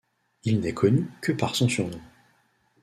Il n'est connu que par son surnom.